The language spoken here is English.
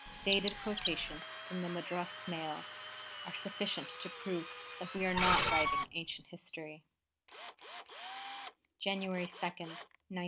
Dated quotations from the Madras Mail are sufficient to prove that we are not writing ancient history: _January 2, 1909.